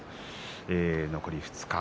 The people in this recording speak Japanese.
残り２日。